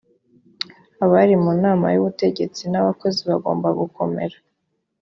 abari mu nama y ubutegetsi n abakozi bagomba gukomera